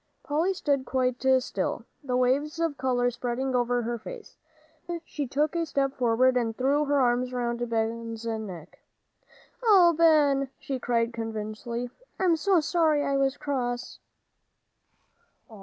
Polly stood quite still, the waves of color spreading over her face. Then she took a step forward, and threw her arms around Ben's neck. "Oh, Ben!" she cried convulsively, "I'm so sorry I was cross."